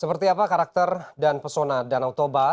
seperti apa karakter dan pesona danau toba